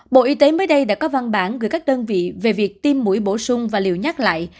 bộ y tế mới đây đã có văn bản gửi các đơn vị về việc tiêm mũi bổ sung và liều nhắc lại